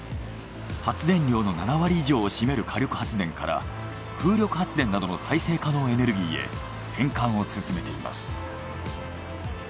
発電量の７割以上を占める火力発電から風力発電などの再生可能エネルギーへ転換を進めています。